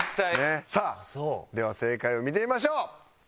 さあでは正解を見てみましょう。